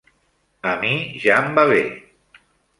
A mi ja em va bé.